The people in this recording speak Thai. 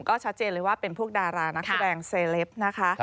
ก็ชัดเจนเลยว่าเป็นพวกดารานักแสดงเซเลปนะคะ